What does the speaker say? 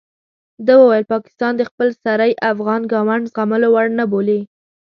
ده وویل پاکستان د خپل سرۍ افغان ګاونډ زغملو وړ نه بولي.